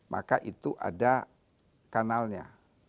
maka itu ada kanalnya